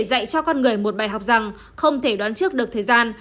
dạy cho con người một bài học rằng không thể đoán trước được thời gian